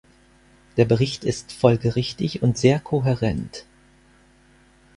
Der Bericht ist folgerichtig und sehr kohärent.